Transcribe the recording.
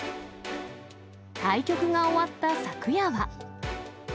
対局が終わった昨夜は。